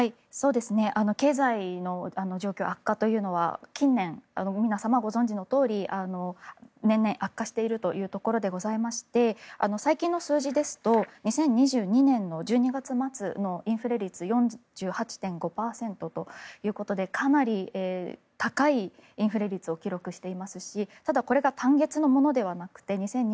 経済の状況悪化というのは近年、皆様ご存じのとおり年々、悪化しているというところでございまして最近の数字ですと２０２２年の１２月末のインフレ率４８．５％ということでかなり高いインフレ率を記録していますしただこれが単月のものではなくて２０２２